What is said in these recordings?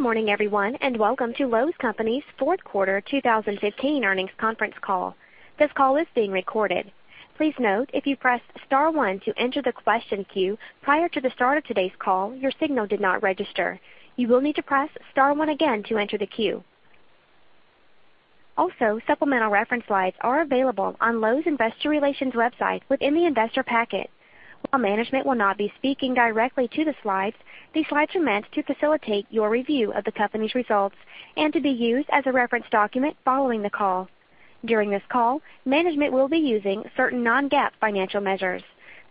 Good morning, everyone, and welcome to Lowe’s Companies fourth quarter 2015 earnings conference call. This call is being recorded. Please note if you pressed star one to enter the question queue prior to the start of today’s call, your signal did not register. You will need to press star one again to enter the queue. Supplemental reference slides are available on Lowe’s Investor Relations website within the investor packet. While management will not be speaking directly to the slides, these slides are meant to facilitate your review of the company’s results and to be used as a reference document following the call. During this call, management will be using certain non-GAAP financial measures.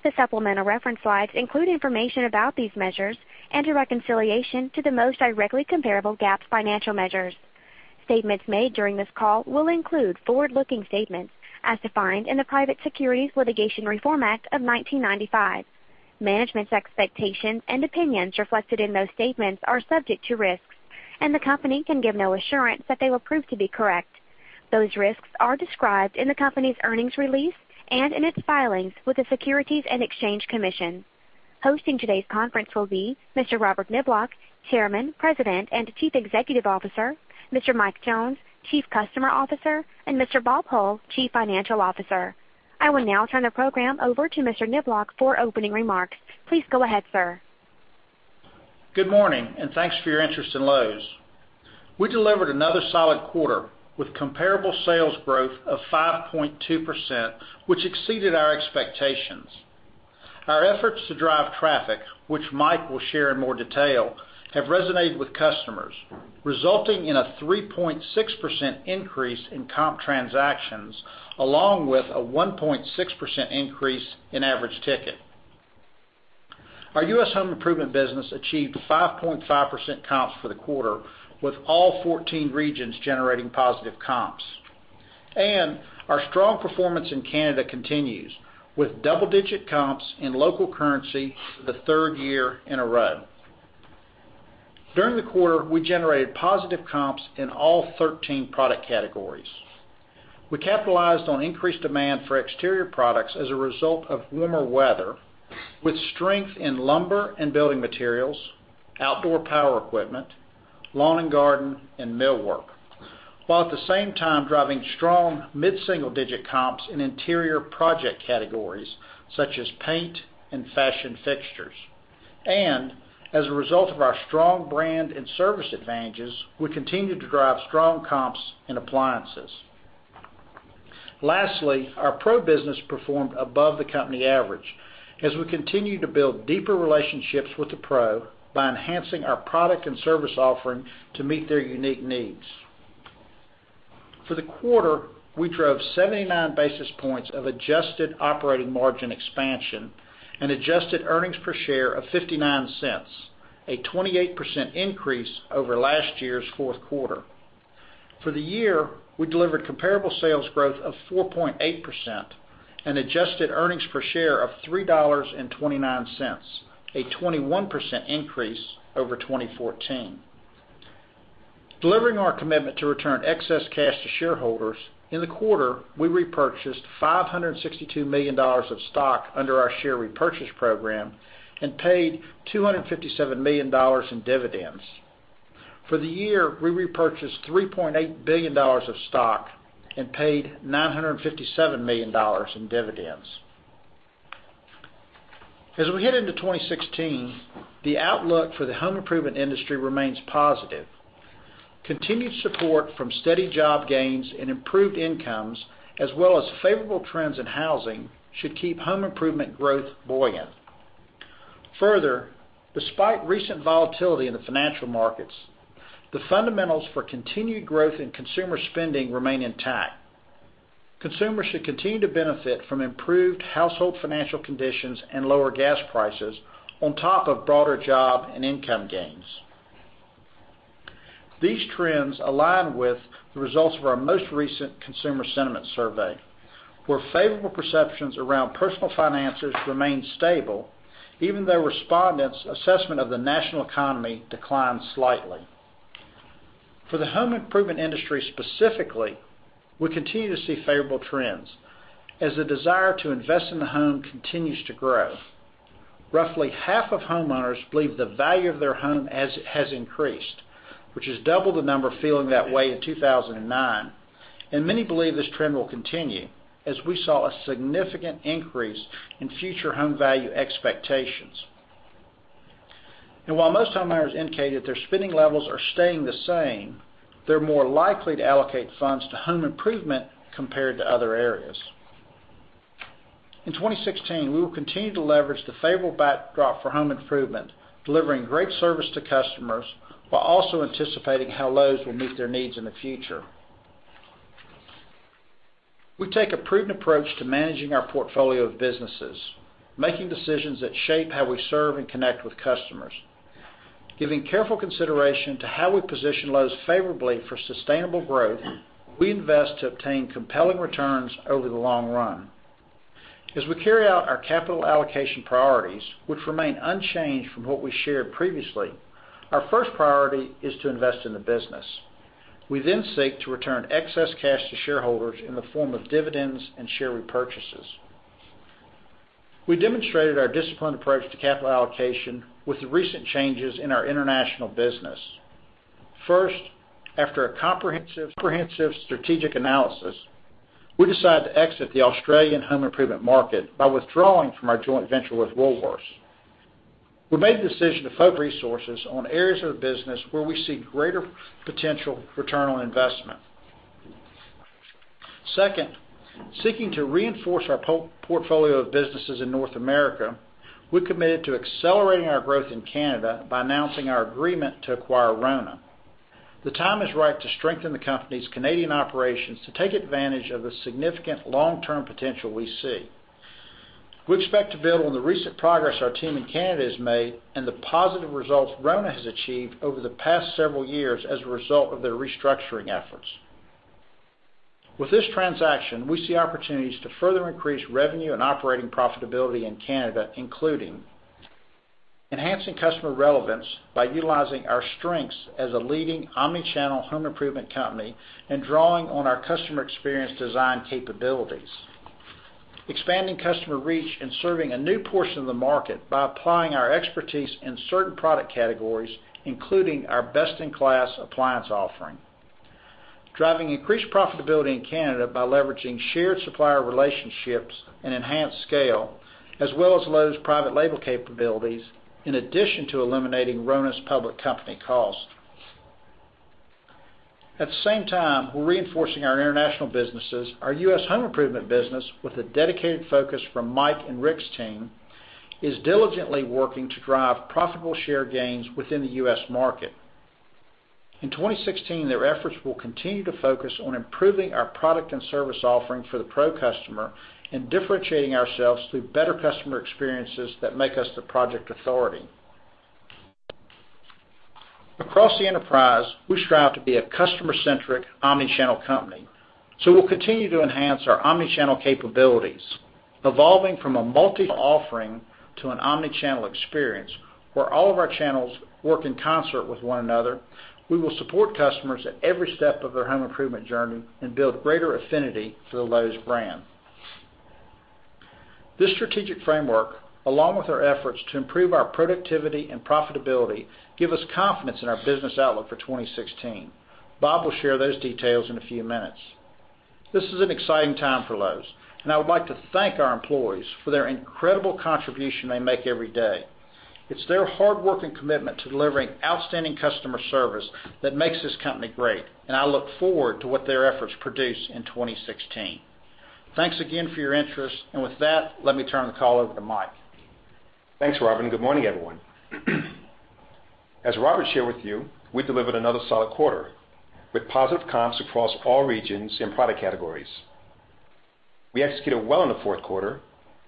The supplemental reference slides include information about these measures and a reconciliation to the most directly comparable GAAP financial measures. Statements made during this call will include forward-looking statements as defined in the Private Securities Litigation Reform Act of 1995. Management’s expectations and opinions reflected in those statements are subject to risks. The company can give no assurance that they will prove to be correct. Those risks are described in the company’s earnings release and in its filings with the Securities and Exchange Commission. Hosting today’s conference will be Mr. Robert Niblock, Chairman, President, and Chief Executive Officer, Mr. Mike Jones, Chief Customer Officer, Mr. Bob Hull, Chief Financial Officer. I will now turn the program over to Mr. Niblock for opening remarks. Please go ahead, sir. Good morning, and thanks for your interest in Lowe’s. We delivered another solid quarter with comparable sales growth of 5.2%, which exceeded our expectations. Our efforts to drive traffic, which Mike will share in more detail, have resonated with customers, resulting in a 3.6% increase in comp transactions along with a 1.6% increase in average ticket. Our U.S. home improvement business achieved 5.5% comps for the quarter, with all 14 regions generating positive comps. Our strong performance in Canada continues, with double-digit comps in local currency for the third year in a row. During the quarter, we generated positive comps in all 13 product categories. We capitalized on increased demand for exterior products as a result of warmer weather, with strength in lumber and building materials, outdoor power equipment, lawn and garden, and millwork, while at the same time driving strong mid-single-digit comps in interior project categories such as paint and fashion fixtures. As a result of our strong brand and service advantages, we continued to drive strong comps in appliances. Lastly, our pro business performed above the company average as we continue to build deeper relationships with the pro by enhancing our product and service offering to meet their unique needs. For the quarter, we drove 79 basis points of adjusted operating margin expansion and adjusted earnings per share of $0.59, a 28% increase over last year’s fourth quarter. For the year, we delivered comparable sales growth of 4.8% and adjusted earnings per share of $3.29, a 21% increase over 2014. Delivering our commitment to return excess cash to shareholders, in the quarter, we repurchased $562 million of stock under our share repurchase program and paid $257 million in dividends. For the year, we repurchased $3.8 billion of stock and paid $957 million in dividends. As we head into 2016, the outlook for the home improvement industry remains positive. Continued support from steady job gains and improved incomes, as well as favorable trends in housing, should keep home improvement growth buoyant. Despite recent volatility in the financial markets, the fundamentals for continued growth in consumer spending remain intact. Consumers should continue to benefit from improved household financial conditions and lower gas prices on top of broader job and income gains. These trends align with the results of our most recent consumer sentiment survey, where favorable perceptions around personal finances remain stable even though respondents’ assessment of the national economy declined slightly. For the home improvement industry specifically, we continue to see favorable trends as the desire to invest in the home continues to grow. Roughly half of homeowners believe the value of their home has increased, which is double the number feeling that way in 2009, and many believe this trend will continue, as we saw a significant increase in future home value expectations. While most homeowners indicate that their spending levels are staying the same, they’re more likely to allocate funds to home improvement compared to other areas. In 2016, we will continue to leverage the favorable backdrop for home improvement, delivering great service to customers while also anticipating how Lowe’s will meet their needs in the future. We take a prudent approach to managing our portfolio of businesses, making decisions that shape how we serve and connect with customers. Giving careful consideration to how we position Lowe’s favorably for sustainable growth, we invest to obtain compelling returns over the long run. As we carry out our capital allocation priorities, which remain unchanged from what we shared previously, our first priority is to invest in the business. We then seek to return excess cash to shareholders in the form of dividends and share repurchases. We demonstrated our disciplined approach to capital allocation with the recent changes in our international business. First, after a comprehensive strategic analysis, we decided to exit the Australian home improvement market by withdrawing from our joint venture with Woolworths. We made the decision to focus resources on areas of the business where we see greater potential return on investment. Second, seeking to reinforce our portfolio of businesses in North America, we're committed to accelerating our growth in Canada by announcing our agreement to acquire RONA. The time is right to strengthen the company's Canadian operations to take advantage of the significant long-term potential we see. We expect to build on the recent progress our team in Canada has made and the positive results RONA has achieved over the past several years as a result of their restructuring efforts. With this transaction, we see opportunities to further increase revenue and operating profitability in Canada, including enhancing customer relevance by utilizing our strengths as a leading omni-channel home improvement company and drawing on our customer experience design capabilities. Expanding customer reach and serving a new portion of the market by applying our expertise in certain product categories, including our best-in-class appliance offering. Driving increased profitability in Canada by leveraging shared supplier relationships and enhanced scale, as well as Lowe's private label capabilities, in addition to eliminating RONA's public company costs. At the same time, we're reinforcing our international businesses. Our U.S. home improvement business, with a dedicated focus from Mike and Rick's team, is diligently working to drive profitable share gains within the U.S. market. In 2016, their efforts will continue to focus on improving our product and service offering for the pro customer and differentiating ourselves through better customer experiences that make us the project authority. Across the enterprise, we strive to be a customer-centric omni-channel company, so we'll continue to enhance our omni-channel capabilities. Evolving from a multi-channel offering to an omni-channel experience where all of our channels work in concert with one another, we will support customers at every step of their home improvement journey and build greater affinity for the Lowe's brand. This strategic framework, along with our efforts to improve our productivity and profitability, give us confidence in our business outlook for 2016. Bob will share those details in a few minutes. This is an exciting time for Lowe's, and I would like to thank our employees for their incredible contribution they make every day. It's their hard work and commitment to delivering outstanding customer service that makes this company great, and I look forward to what their efforts produce in 2016. Thanks again for your interest. With that, let me turn the call over to Mike. Thanks, Robert, and good morning, everyone. As Robert shared with you, we delivered another solid quarter with positive comps across all regions and product categories. We executed well in the fourth quarter,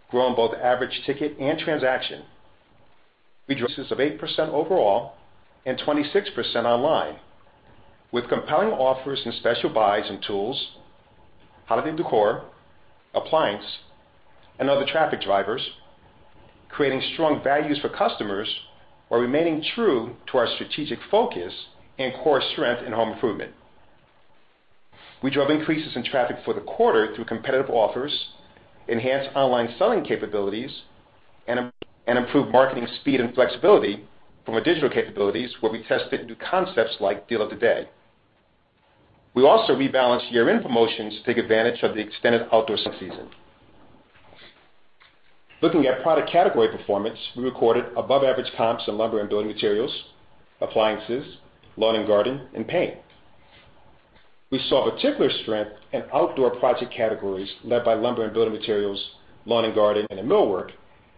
growing both average ticket and transaction. We drove this of 8% overall and 26% online with compelling offers and special buys and tools, holiday decor, appliance, and other traffic drivers, creating strong values for customers while remaining true to our strategic focus and core strength in home improvement. We drove increases in traffic for the quarter through competitive offers, enhanced online selling capabilities, and improved marketing speed and flexibility from our digital capabilities where we tested new concepts like Deal of the Day. We also rebalanced year-end promotions to take advantage of the extended outdoor sale season. Looking at product category performance, we recorded above-average comps in lumber and building materials, appliances, lawn and garden, and paint. We saw particular strength in outdoor project categories led by lumber and building materials, lawn and garden, and in millwork,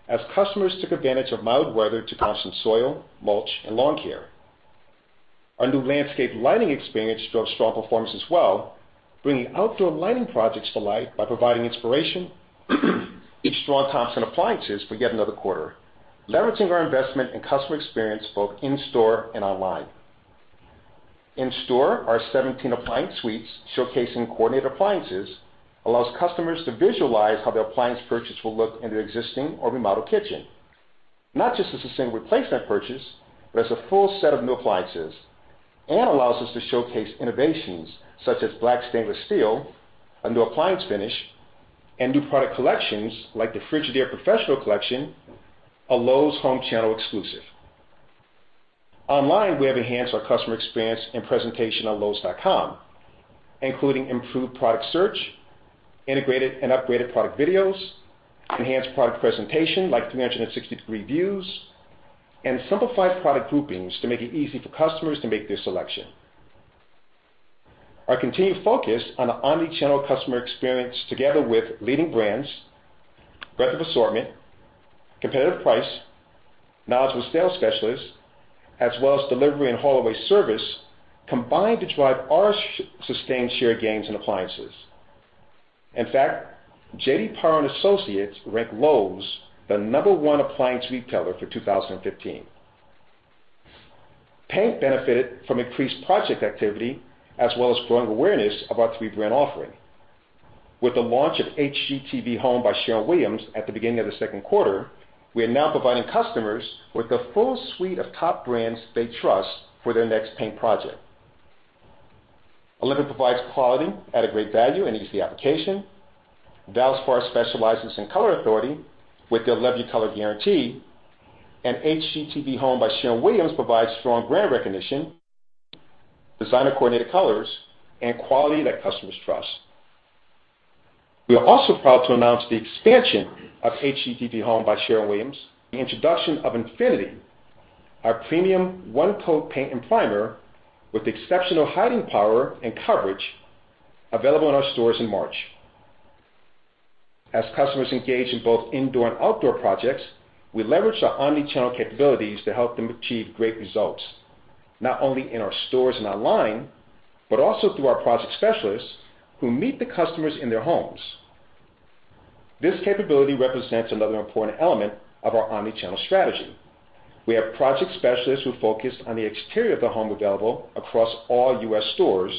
as customers took advantage of mild weather to constant soil, mulch, and lawn care. Our new landscape lighting experience drove strong performance as well, bringing outdoor lighting projects to light by providing inspiration. Each strong comps and appliances for yet another quarter, leveraging our investment in customer experience both in-store and online. In-store, our 17 appliance suites showcasing coordinated appliances allows customers to visualize how their appliance purchase will look in their existing or remodeled kitchen. Not just as the same replacement purchase, but as a full set of new appliances and allows us to showcase innovations such as black stainless steel, a new appliance finish, and new product collections like the Frigidaire Professional collection, a Lowe's home channel exclusive. Online, we have enhanced our customer experience and presentation on lowes.com, including improved product search, integrated and upgraded product videos, enhanced product presentation like 360-degree views, and simplified product groupings to make it easy for customers to make their selection. Our continued focus on an omni-channel customer experience together with leading brands, breadth of assortment, competitive price, knowledgeable sales specialists, as well as delivery and haul-away service, combined to drive our sustained share gains in appliances. In fact, J.D. Power and Associates ranked Lowe's the number one appliance retailer for 2015. Paint benefited from increased project activity as well as growing awareness of our three-brand offering. With the launch of HGTV HOME by Sherwin-Williams at the beginning of the second quarter, we are now providing customers with the full suite of top brands they trust for their next paint project. Olympic provides quality at a great value and easy application. Valspar specializes in color authority with their Love Your Color Guarantee, HGTV HOME by Sherwin-Williams provides strong brand recognition, designer coordinated colors, and quality that customers trust. We are also proud to announce the expansion of HGTV HOME by Sherwin-Williams, the introduction of Infinity, our premium one coat paint and primer with exceptional hiding power and coverage available in our stores in March. As customers engage in both indoor and outdoor projects, we leverage our omni-channel capabilities to help them achieve great results, not only in our stores and online, but also through our project specialists who meet the customers in their homes. This capability represents another important element of our omni-channel strategy. We have project specialists who focus on the exterior of the home available across all U.S. stores,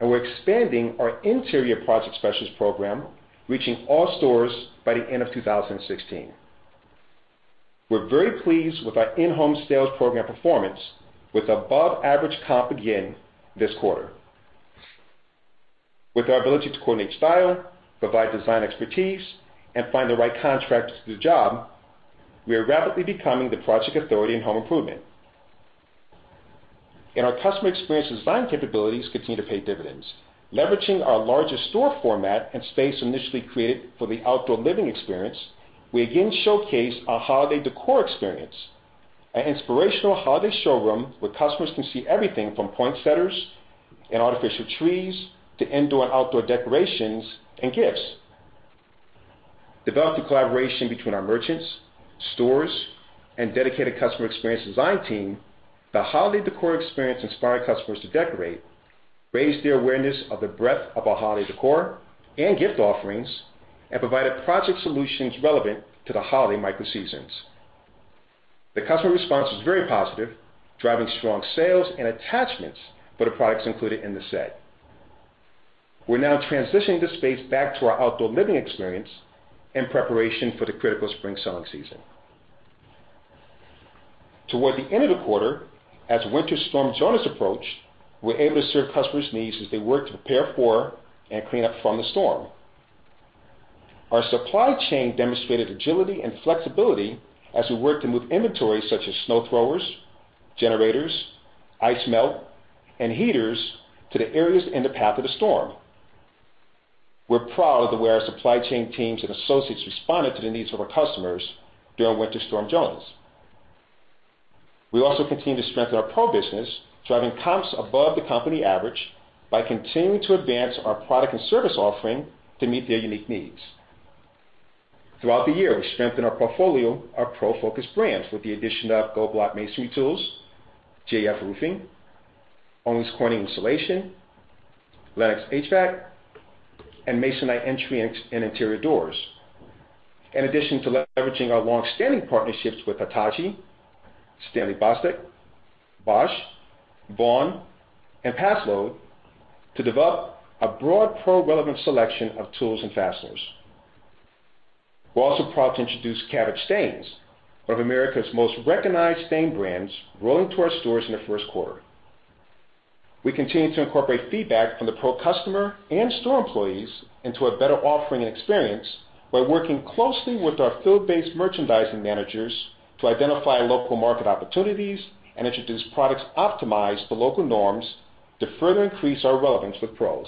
we're expanding our interior project specialist program, reaching all stores by the end of 2016. We're very pleased with our in-home sales program performance with above average comp again this quarter. With our ability to coordinate style, provide design expertise, and find the right contractor to do the job, we are rapidly becoming the project authority in home improvement. Our customer experience design capabilities continue to pay dividends. Leveraging our larger store format and space initially created for the outdoor living experience, we again showcase our Holiday Decor Experience, an inspirational holiday showroom where customers can see everything from poinsettias and artificial trees to indoor and outdoor decorations and gifts. Developed in collaboration between our merchants, stores, and dedicated customer experience design team, the Holiday Decor Experience inspired customers to decorate, raised their awareness of the breadth of our holiday decor and gift offerings, and provided project solutions relevant to the holiday micro-seasons. The customer response was very positive, driving strong sales and attachments for the products included in the set. We're now transitioning the space back to our outdoor living experience in preparation for the critical spring selling season. Toward the end of the quarter, as Winter Storm Jonas approached, we were able to serve customers' needs as they worked to prepare for and clean up from the storm. Our supply chain demonstrated agility and flexibility as we worked to move inventory such as snow throwers, generators, ice melt, and heaters to the areas in the path of the storm. We're proud of the way our supply chain teams and associates responded to the needs of our customers during Winter Storm Jonas. We also continue to strengthen our pro business, driving comps above the company average by continuing to advance our product and service offering to meet their unique needs. Throughout the year, we strengthened our portfolio of pro-focused brands with the addition of Goldblatt masonry tools, GAF Roofing, Owens Corning Insulation, Lennox HVAC, and Masonite entry and interior doors. In addition to leveraging our long-standing partnerships with Hitachi, Stanley Bostitch, Bosch, Vaughan, and Paslode to develop a broad pro-relevant selection of tools and fasteners. We're also proud to introduce Cabot Stains, one of America's most recognized stain brands, rolling to our stores in the first quarter. We continue to incorporate feedback from the pro customer and store employees into a better offering and experience by working closely with our field-based merchandising managers to identify local market opportunities and introduce products optimized for local norms to further increase our relevance with pros.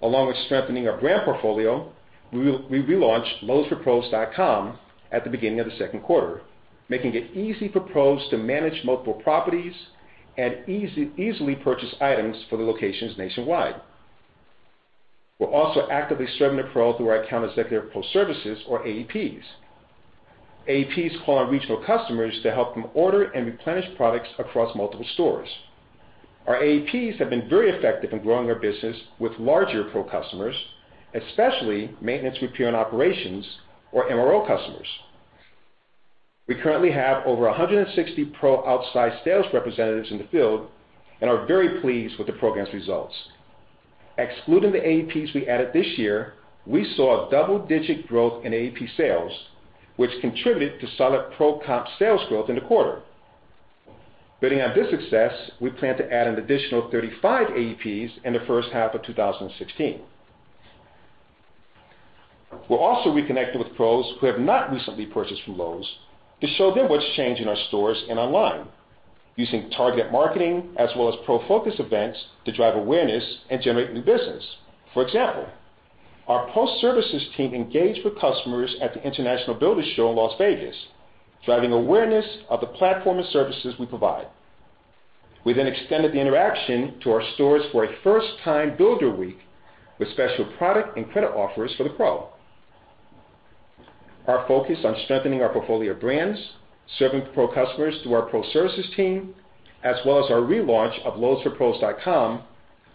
Along with strengthening our brand portfolio, we relaunched lowesforpros.com at the beginning of the second quarter, making it easy for pros to manage multiple properties and easily purchase items for their locations nationwide. We're also actively serving the pro through our Account Executive Pro Services or AEPS. AEPS call on regional customers to help them order and replenish products across multiple stores. Our AEPS have been very effective in growing our business with larger pro customers, especially maintenance, repair, and operations or MRO customers. We currently have over 160 pro outside sales representatives in the field and are very pleased with the program's results. Excluding the AEPS we added this year, we saw a double-digit growth in AEPS sales, which contributed to solid pro comp sales growth in the quarter. Building on this success, we plan to add an additional 35 AEPS in the first half of 2016. We're also reconnecting with pros who have not recently purchased from Lowe's to show them what's changed in our stores and online using target marketing as well as pro-focus events to drive awareness and generate new business. For example, our pro services team engaged with customers at the International Builders' Show in Las Vegas, driving awareness of the platform and services we provide. We then extended the interaction to our stores for a first-time builder week with special product and credit offers for the pro. Our focus on strengthening our portfolio of brands, serving pro customers through our pro services team, as well as our relaunch of lowesforpros.com,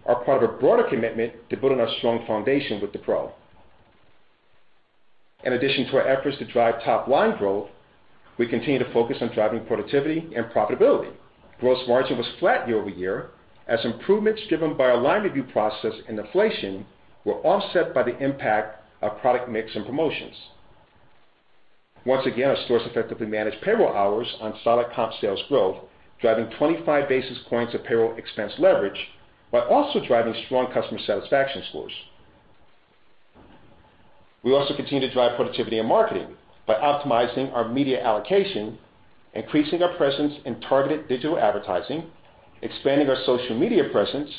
are part of a broader commitment to building a strong foundation with the pro. In addition to our efforts to drive top-line growth, we continue to focus on driving productivity and profitability. Gross margin was flat year-over-year as improvements driven by our line review process and inflation were offset by the impact of product mix and promotions. Once again, our stores effectively managed payroll hours on solid comp sales growth, driving 25 basis points of payroll expense leverage while also driving strong customer satisfaction scores. We also continue to drive productivity and marketing by optimizing our media allocation, increasing our presence in targeted digital advertising, expanding our social media presence,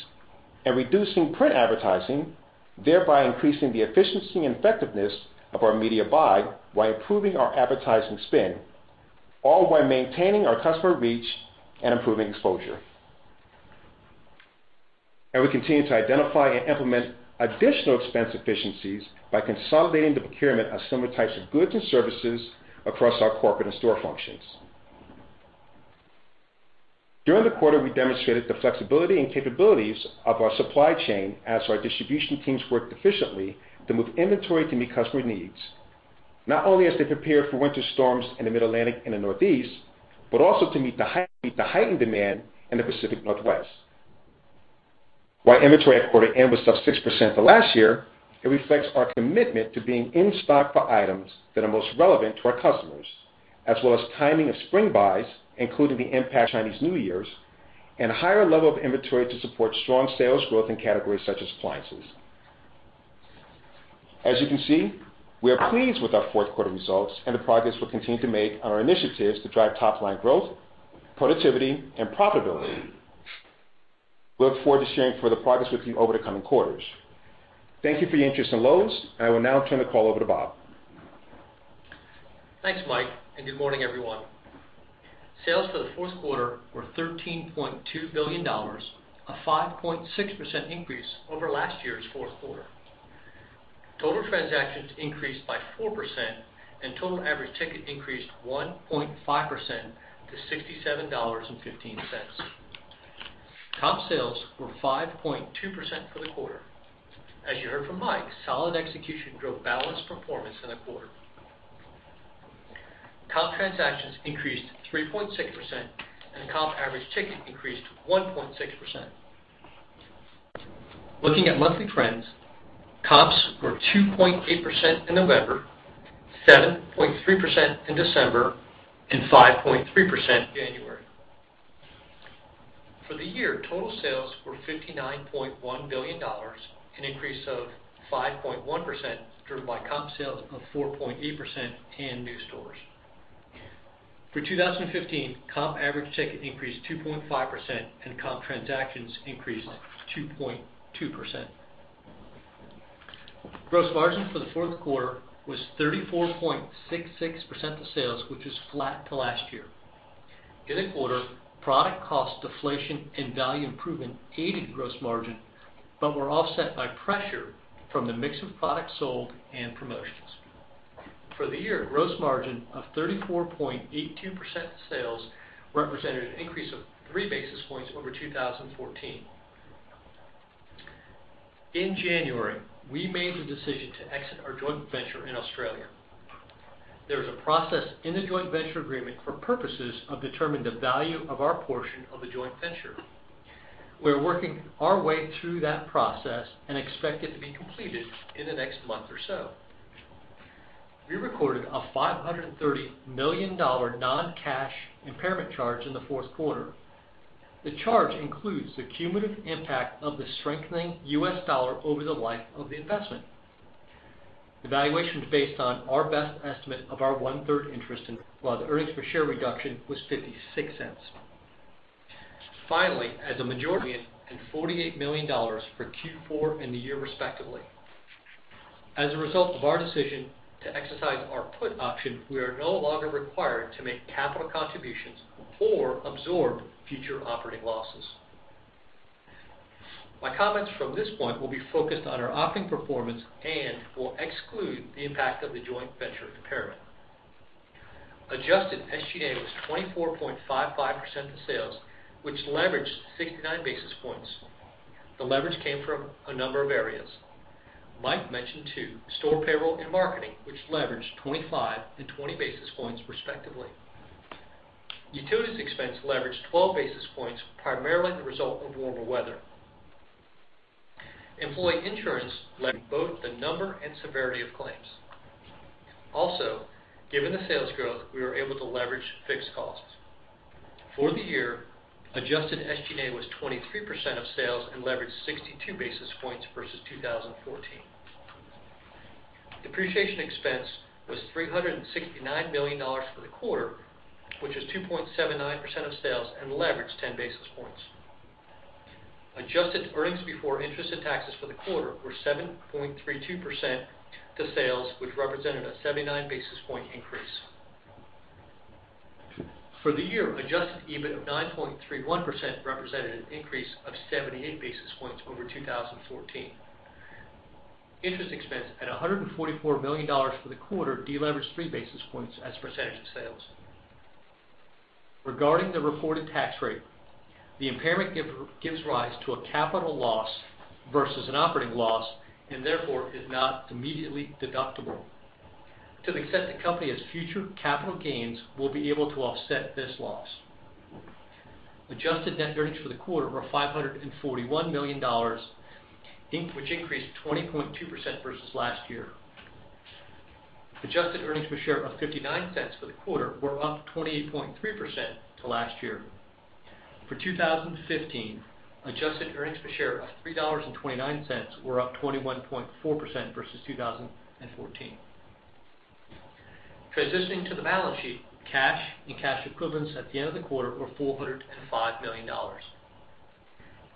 and reducing print advertising, thereby increasing the efficiency and effectiveness of our media buy while improving our advertising spend, all while maintaining our customer reach and improving exposure. We continue to identify and implement additional expense efficiencies by consolidating the procurement of similar types of goods and services across our corporate and store functions. During the quarter, we demonstrated the flexibility and capabilities of our supply chain as our distribution teams worked efficiently to move inventory to meet customer needs, not only as they prepare for winter storms in the Mid-Atlantic and the Northeast, but also to meet the heightened demand in the Pacific Northwest. While inventory at quarter end was up 6% to last year, it reflects our commitment to being in stock for items that are most relevant to our customers, as well as timing of spring buys, including the impact of Chinese New Year, and a higher level of inventory to support strong sales growth in categories such as appliances. As you can see, we are pleased with our fourth quarter results and the progress we'll continue to make on our initiatives to drive top-line growth, productivity, and profitability. We look forward to sharing further progress with you over the coming quarters. Thank you for your interest in Lowe's. I will now turn the call over to Bob. Thanks, Mike. Good morning, everyone. Sales for the fourth quarter were $13.2 billion, a 5.6% increase over last year's fourth quarter. Total transactions increased by 4%, Total average ticket increased 1.5% to $67.15. Comp sales were 5.2% for the quarter. As you heard from Mike, solid execution drove balanced performance in the quarter. Comp transactions increased 3.6%, Comp average ticket increased 1.6%. Looking at monthly trends, comps were 2.8% in November, 7.3% in December, and 5.3% in January. For the year, total sales were $59.1 billion, an increase of 5.1%, driven by comp sales of 4.8% and new stores. For 2015, comp average ticket increased 2.5%, and comp transactions increased 2.2%. Gross margin for the fourth quarter was 34.66% of sales, which was flat to last year. In the quarter, product cost deflation and value improvement aided gross margin, were offset by pressure from the mix of products sold and promotions. For the year, gross margin of 34.82% of sales represented an increase of three basis points over 2014. In January, we made the decision to exit our joint venture in Australia. There is a process in the joint venture agreement for purposes of determining the value of our portion of the joint venture. We're working our way through that process expect it to be completed in the next month or so. We recorded a $530 million non-cash impairment charge in the fourth quarter. The charge includes the cumulative impact of the strengthening U.S. dollar over the life of the investment. The valuation is based on our best estimate of our one-third interest, while the earnings per share reduction was $0.56. Finally, as a majority and $48 million for Q4 and the year respectively. As a result of our decision to exercise our put option, we are no longer required to make capital contributions or absorb future operating losses. My comments from this point will be focused on our operating performance and will exclude the impact of the joint venture impairment. Adjusted SG&A was 24.55% of sales, which leveraged 69 basis points. The leverage came from a number of areas. Mike mentioned two, store payroll and marketing, which leveraged 25 and 20 basis points respectively. Utilities expense leveraged 12 basis points, primarily the result of warmer weather. Employee insurance leveraged both the number and severity of claims. Also, given the sales growth, we were able to leverage fixed costs. For the year, adjusted SG&A was 23% of sales and leveraged 62 basis points versus 2014. Depreciation expense was $369 million for the quarter, which is 2.79% of sales and leveraged 10 basis points. Adjusted earnings before interest and taxes for the quarter were 7.32% of sales, which represented a 79 basis point increase. For the year, adjusted EBIT of 9.31% represented an increase of 78 basis points over 2014. Interest expense at $144 million for the quarter deleveraged three basis points as a percentage of sales. Regarding the reported tax rate, the impairment gives rise to a capital loss versus an operating loss and therefore is not immediately deductible. To the extent the company has future capital gains, we will be able to offset this loss. Adjusted net earnings for the quarter were $541 million, which increased 20.2% versus last year. Adjusted earnings per share of $0.59 for the quarter were up 28.3% to last year. For 2015, adjusted earnings per share of $3.29 were up 21.4% versus 2014. Transitioning to the balance sheet, cash and cash equivalents at the end of the quarter were $405 million.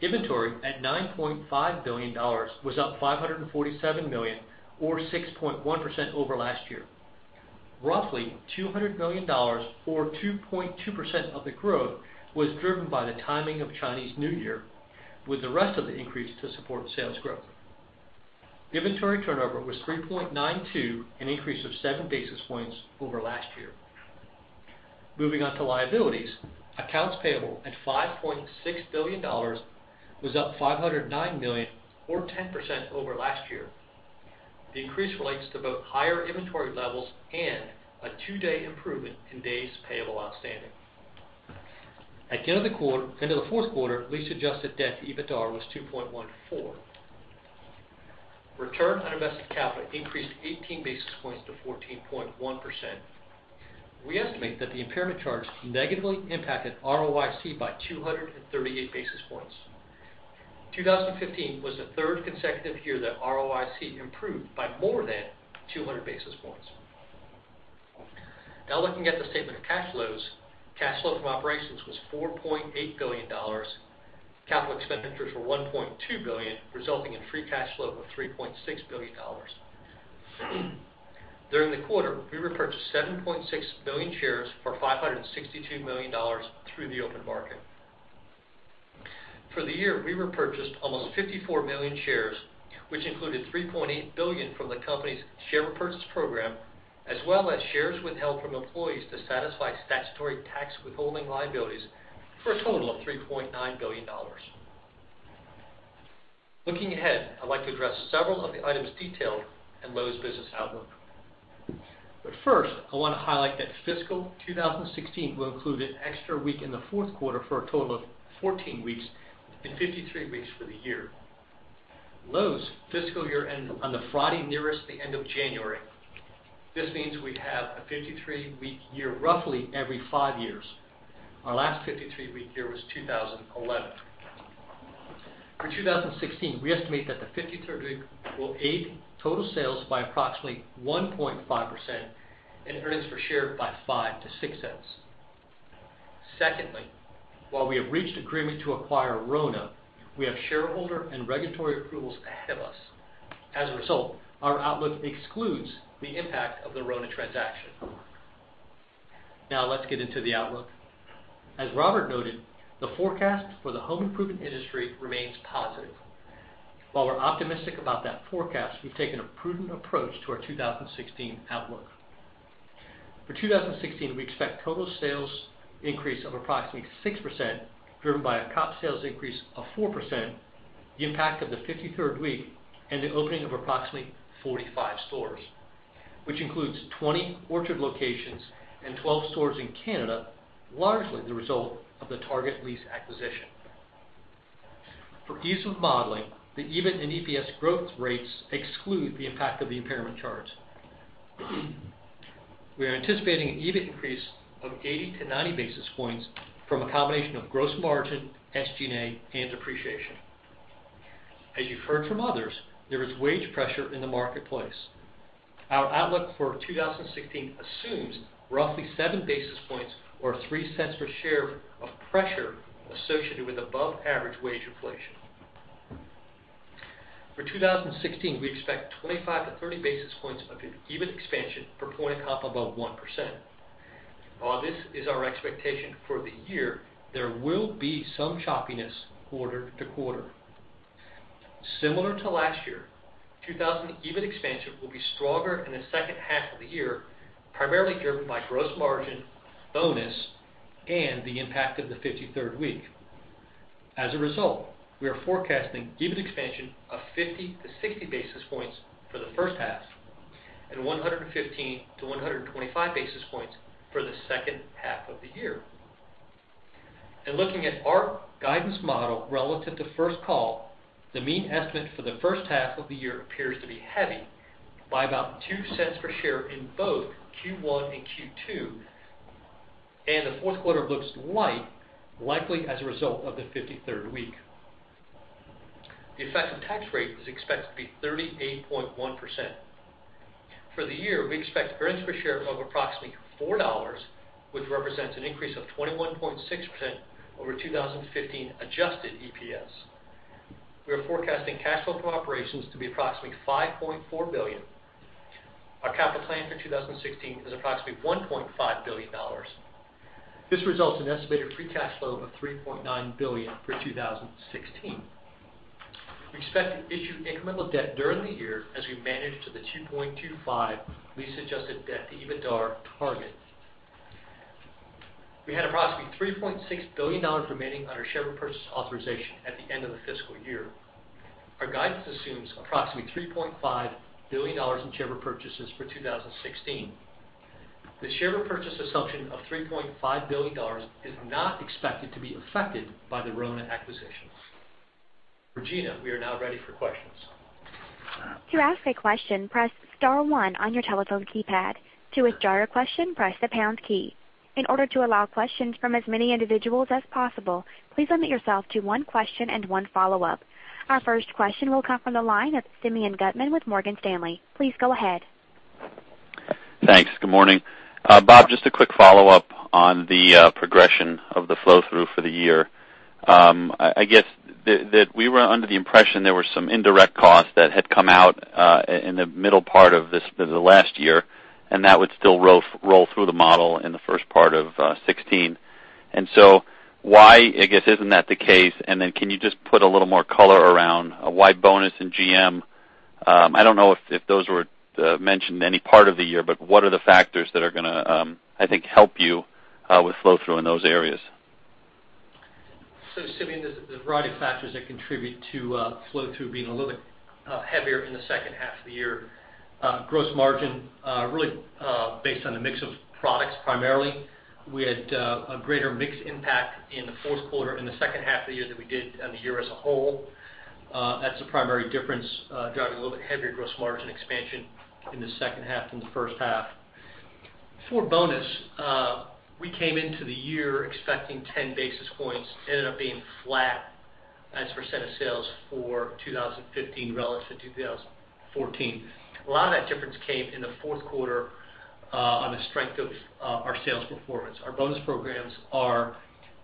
Inventory at $9.5 billion was up $547 million or 6.1% over last year. Roughly $200 million or 2.2% of the growth was driven by the timing of Chinese New Year with the rest of the increase to support sales growth. Inventory turnover was 3.92, an increase of seven basis points over last year. Moving on to liabilities. Accounts payable at $5.6 billion was up $509 million or 10% over last year. The increase relates to both higher inventory levels and a two-day improvement in days payable outstanding. At the end of the fourth quarter, lease-adjusted debt-to-EBITDAR was 2.14. Return on invested capital increased 18 basis points to 14.1%. We estimate that the impairment charge negatively impacted ROIC by 238 basis points. 2015 was the third consecutive year that ROIC improved by more than 200 basis points. Now looking at the statement of cash flows. Cash flow from operations was $4.8 billion. Capital expenditures were $1.2 billion, resulting in free cash flow of $3.6 billion. During the quarter, we repurchased 7.6 million shares for $562 million through the open market. For the year, we repurchased almost 54 million shares, which included $3.8 billion from the company's share repurchase program, as well as shares withheld from employees to satisfy statutory tax withholding liabilities for a total of $3.9 billion. Looking ahead, I would like to address several of the items detailed in Lowe's business outlook. First, I want to highlight that fiscal 2016 will include an extra week in the fourth quarter for a total of 14 weeks and 53 weeks for the year. Lowe's fiscal year ends on the Friday nearest the end of January. This means we have a 53-week year roughly every five years. Our last 53-week year was 2011. For 2016, we estimate that the 53rd week will aid total sales by approximately 1.5% and earnings per share by $0.05-$0.06. Secondly, while we have reached agreement to acquire RONA, we have shareholder and regulatory approvals ahead of us. As a result, our outlook excludes the impact of the RONA transaction. Let's get into the outlook. As Robert noted, the forecast for the home improvement industry remains positive. While we're optimistic about that forecast, we've taken a prudent approach to our 2016 outlook. For 2016, we expect total sales increase of approximately 6%, driven by a comp sales increase of 4%, the impact of the 53rd week, and the opening of approximately 45 stores, which includes 20 Orchard locations and 12 stores in Canada, largely the result of the Target lease acquisition. For ease of modeling, the EBIT and EPS growth rates exclude the impact of the impairment charge. We are anticipating an EBIT increase of 80-90 basis points from a combination of gross margin, SG&A, and depreciation. As you've heard from others, there is wage pressure in the marketplace. Our outlook for 2016 assumes roughly seven basis points or $0.03 per share of pressure associated with above-average wage inflation. For 2016, we expect 25-30 basis points of EBIT expansion per point of comp above 1%. While this is our expectation for the year, there will be some choppiness quarter to quarter. Similar to last year, 2016 EBIT expansion will be stronger in the second half of the year, primarily driven by gross margin, bonus, and the impact of the 53rd week. As a result, we are forecasting EBIT expansion of 50-60 basis points for the first half and 115-125 basis points for the second half of the year. Looking at our guidance model relative to First Call, the mean estimate for the first half of the year appears to be heavy by about $0.02 per share in both Q1 and Q2, and the fourth quarter looks light, likely as a result of the 53rd week. The effective tax rate is expected to be 38.1%. For the year, we expect earnings per share of approximately $4, which represents an increase of 21.6% over 2015 adjusted EPS. We are forecasting cash flow from operations to be approximately $5.4 billion. Our capital plan for 2016 is approximately $1.5 billion. This results in estimated free cash flow of $3.9 billion for 2016. We expect to issue incremental debt during the year as we manage to the 2.25 lease-adjusted debt-to-EBITDAR target. We had approximately $3.6 billion remaining on our share repurchase authorization at the end of the fiscal year. Our guidance assumes approximately $3.5 billion in share repurchases for 2016. The share repurchase assumption of $3.5 billion is not expected to be affected by the RONA acquisition. Regina, we are now ready for questions. To ask a question, press * one on your telephone keypad. To withdraw your question, press the pound key. In order to allow questions from as many individuals as possible, please limit yourself to one question and one follow-up. Our first question will come from the line of Simeon Gutman with Morgan Stanley. Please go ahead. Thanks. Good morning. Bob, just a quick follow-up on the progression of the flow-through for the year. I guess that we were under the impression there were some indirect costs that had come out in the middle part of the last year, and that would still roll through the model in the first part of 2016. Why, I guess, isn't that the case? Then can you just put a little more color around why bonus in GM-- I don't know if those were mentioned any part of the year, but what are the factors that are going to, I think, help you with flow-through in those areas? Simeon, there's a variety of factors that contribute to flow-through being a little bit heavier in the second half of the year. Gross margin, really based on the mix of products, primarily. We had a greater mix impact in the fourth quarter, in the second half of the year than we did on the year as a whole. That's the primary difference, driving a little bit heavier gross margin expansion in the second half from the first half. For bonus, we came into the year expecting 10 basis points. Ended up being flat as a % of sales for 2015 relative to 2014. A lot of that difference came in the fourth quarter on the strength of our sales performance. Our bonus programs are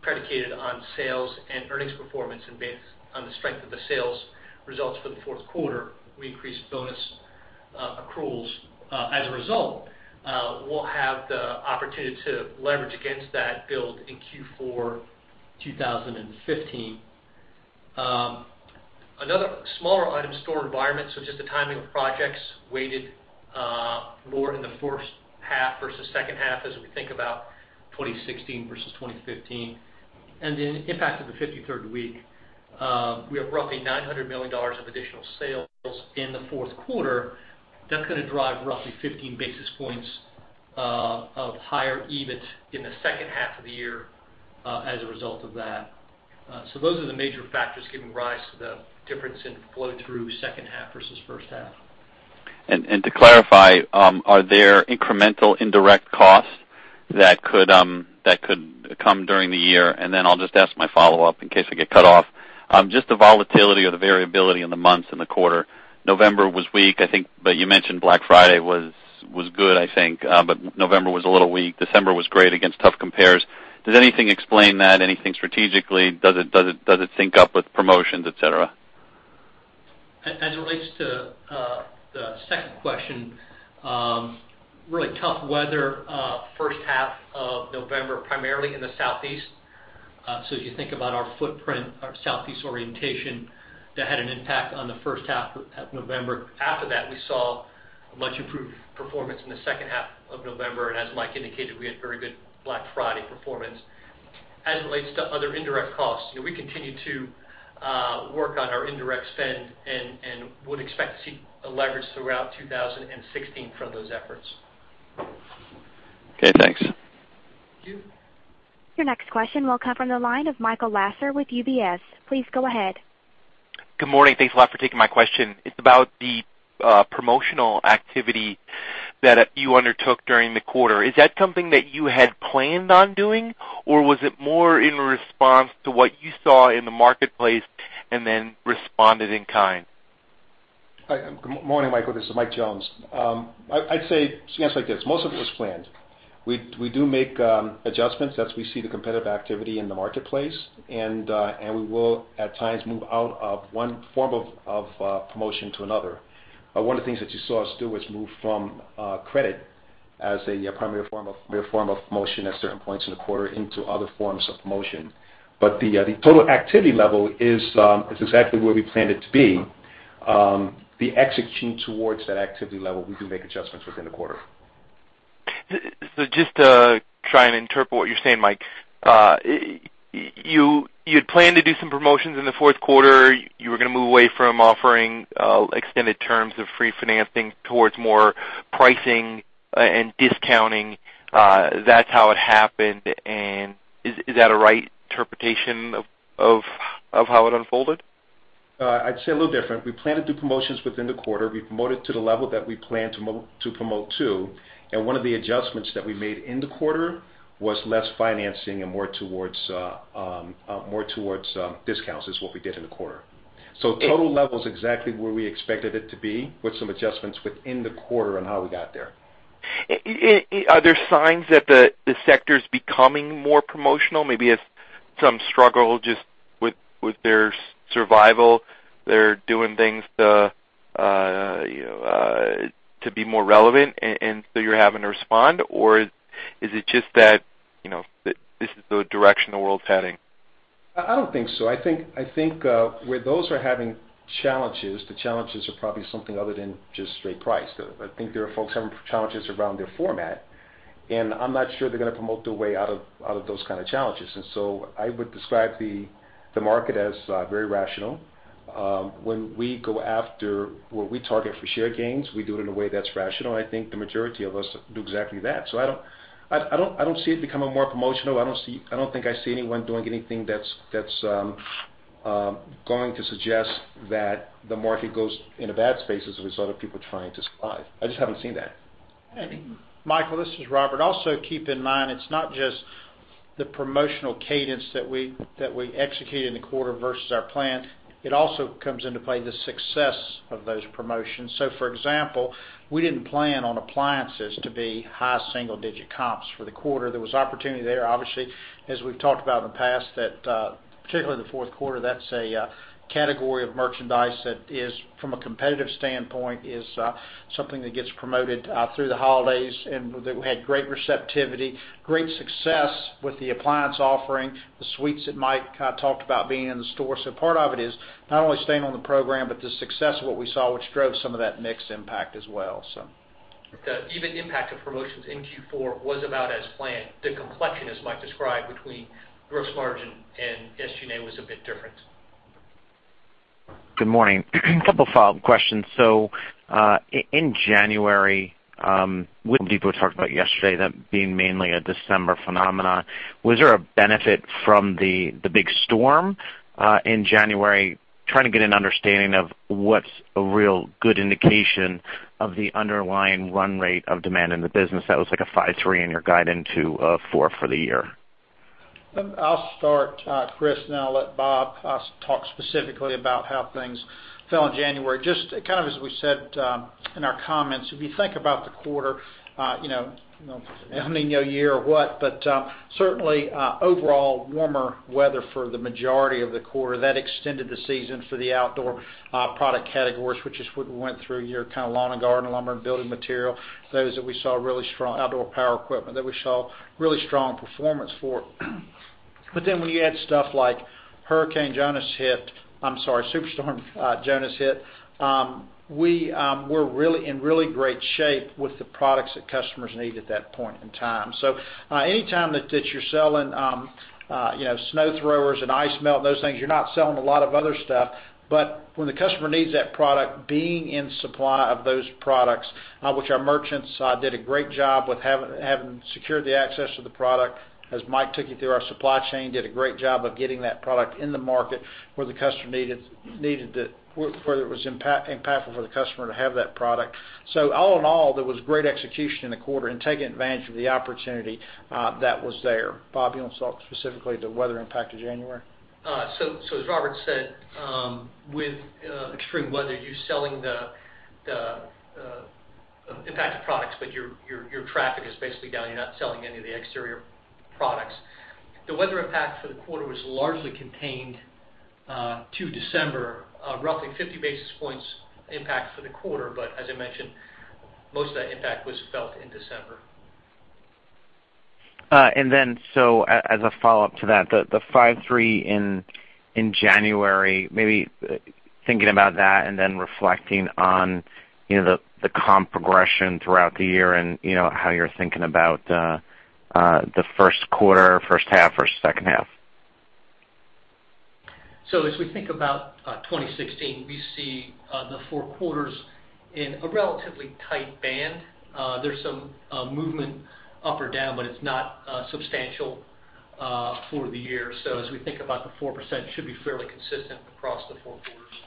predicated on sales and earnings performance. Based on the strength of the sales results for the fourth quarter, we increased bonus accruals as a result. We'll have the opportunity to leverage against that build in Q4 2015. Another smaller item, store environment. Just the timing of projects weighted more in the first half versus second half as we think about 2016 versus 2015. Then impact of the 53rd week. We have roughly $900 million of additional sales in the fourth quarter. That's going to drive roughly 15 basis points of higher EBIT in the second half of the year as a result of that. Those are the major factors giving rise to the difference in flow through second half versus first half. To clarify, are there incremental indirect costs that could come during the year? I'll just ask my follow-up in case I get cut off. The volatility or the variability in the months in the quarter. November was weak, I think, but you mentioned Black Friday was good, I think. November was a little weak. December was great against tough compares. Does anything explain that? Anything strategically? Does it sync up with promotions, et cetera? As it relates to the second question, really tough weather first half of November, primarily in the Southeast. If you think about our footprint, our Southeast orientation, that had an impact on the first half of November. After that, we saw a much improved performance in the second half of November, and as Mike indicated, we had very good Black Friday performance. As it relates to other indirect costs, we continue to work on our indirect spend and would expect to see a leverage throughout 2016 from those efforts. Okay, thanks. Thank you. Your next question will come from the line of Michael Lasser with UBS. Please go ahead. Good morning. Thanks a lot for taking my question. It's about the promotional activity that you undertook during the quarter. Is that something that you had planned on doing, or was it more in response to what you saw in the marketplace and then responded in kind? Good morning, Michael. This is Mike Jones. I'd say to answer like this, most of it was planned. We do make adjustments as we see the competitive activity in the marketplace. We will at times move out of one form of promotion to another. One of the things that you saw us do was move from credit as a primary form of promotion at certain points in the quarter into other forms of promotion. The total activity level is exactly where we planned it to be. The execution towards that activity level, we do make adjustments within the quarter. Just to try and interpret what you're saying, Mike, you had planned to do some promotions in the fourth quarter. You were going to move away from offering extended terms of free financing towards more pricing and discounting. That's how it happened. Is that a right interpretation of how it unfolded? I'd say a little different. We planned to do promotions within the quarter. We promoted to the level that we planned to promote to. One of the adjustments that we made in the quarter was less financing and more towards discounts, is what we did in the quarter. Total level is exactly where we expected it to be with some adjustments within the quarter on how we got there. Are there signs that the sector is becoming more promotional? Maybe as some struggle just with their survival, they're doing things to be more relevant. You're having to respond? Or is it just that this is the direction the world's heading? I don't think so. I think where those are having challenges, the challenges are probably something other than just straight price. I think there are folks having challenges around their format, and I'm not sure they're going to promote their way out of those kind of challenges. I would describe the market as very rational. When we go after what we target for share gains, we do it in a way that's rational. I think the majority of us do exactly that. I don't see it becoming more promotional. I don't think I see anyone doing anything that's going to suggest that the market goes in a bad space as a result of people trying to survive. I just haven't seen that. Michael, this is Robert. Keep in mind, it's not just the promotional cadence that we execute in the quarter versus our plan. It also comes into play the success of those promotions. For example, we didn't plan on appliances to be high single-digit comps for the quarter. There was opportunity there, obviously, as we've talked about in the past, that particularly the fourth quarter, that's a category of merchandise that is, from a competitive standpoint, is something that gets promoted through the holidays, and that we had great receptivity, great success with the appliance offering, the suites that Mike talked about being in the store. Part of it is not only staying on the program, but the success of what we saw, which drove some of that mix impact as well. The EBIT impact of promotions in Q4 was about as planned. The complexion, as Mike described, between gross margin and SG&A was a bit different. Good morning. A couple follow-up questions. In January, we talked about yesterday that being mainly a December phenomenon. Was there a benefit from the big storm in January? Trying to get an understanding of what's a real good indication of the underlying run rate of demand in the business. That was like a 53 in your guide into 4 for the year. I'll start, Chris, and then I'll let Bob talk specifically about how things fell in January. Just as we said in our comments, if you think about the quarter, El Niño year or what, certainly overall warmer weather for the majority of the quarter. That extended the season for the outdoor product categories, which is what we went through here, lawn and garden, lumber, and building material. Outdoor power equipment that we saw really strong performance for. When you add stuff like Superstorm Jonas hit. We were in really great shape with the products that customers needed at that point in time. Anytime that you're selling snow throwers and ice melt, those things, you're not selling a lot of other stuff. When the customer needs that product, being in supply of those products, which our merchants did a great job with having secured the access to the product. As Mike took you through our supply chain, did a great job of getting that product in the market where it was impactful for the customer to have that product. All in all, there was great execution in the quarter and taking advantage of the opportunity that was there. Bob, you want to talk specifically the weather impact of January? As Robert said, with extreme weather, you're selling the impacted products, but your traffic is basically down. You're not selling any of the exterior products. The weather impact for the quarter was largely contained to December, roughly 50 basis points impact for the quarter. As I mentioned, most of that impact was felt in December. As a follow-up to that, the 5, 3 in January, maybe thinking about that and then reflecting on the comp progression throughout the year and how you're thinking about the first quarter, first half or second half. As we think about 2016, we see the 4 quarters in a relatively tight band. There's some movement up or down, it's not substantial for the year. As we think about the 4%, should be fairly consistent across the 4 quarters.